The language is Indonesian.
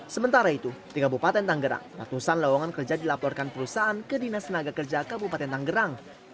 sementara itu di kabupaten tanggerang ratusan lawangan kerja dilaporkan perusahaan ke dinas tenaga kerja kabupaten tanggerang